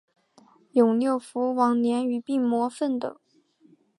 永六辅晚年与病魔奋斗。